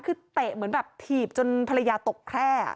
คือเตะเหมือนแบบถีบจนภรรยาตกแคร่